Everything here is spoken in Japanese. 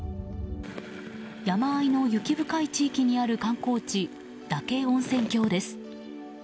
山間の雪深い地域にある観光地嶽温泉郷です。